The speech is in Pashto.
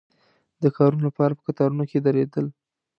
د کارونو لپاره په کتارونو کې درېدل.